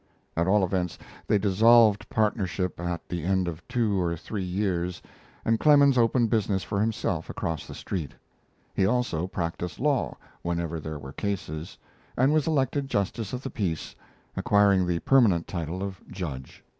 At all events, they dissolved partnership at the end of two or three years, and Clemens opened business for himself across the street. He also practised law whenever there were cases, and was elected justice of the peace, acquiring the permanent title of "Judge."